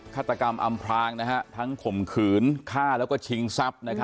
ฆาตกรรมอำพลางทั้งข่มขืนฆ่าแล้วก็ชิงทรัพย์